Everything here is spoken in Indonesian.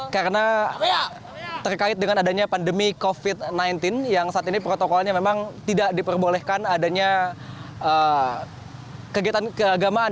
karena terkait dengan adanya pandemi covid sembilan belas yang saat ini protokolnya memang tidak diperbolehkan adanya kegiatan keagamaan